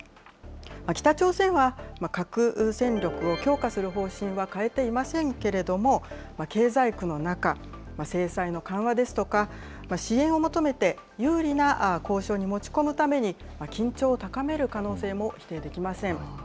北朝鮮は核戦力を強化する方針は変えていませんけれども、経済苦の中、制裁の緩和ですとか、支援を求めて、有利な交渉に持ち込むために、緊張を高める可能性も否定できません。